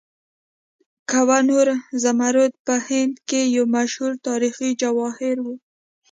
کوه نور زمرد په هند کې یو مشهور تاریخي جواهر و.